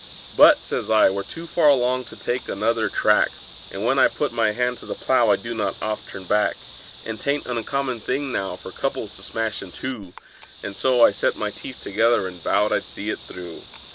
"But," says I, "we're too far along to take another track, And when I put my hand to the plow I do not oft turn back; And 'tain't an uncommon thing now for couples to smash in two;" And so I set my teeth together, and vowed I'd see it through.